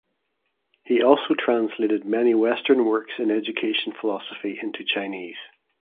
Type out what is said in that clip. He also translated many Western works in education philosophy into Chinese.